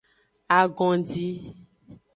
Agondi.